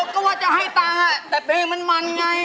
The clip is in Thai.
ก็ว่าจะให้ตังค์แต่เพลงมันมันไง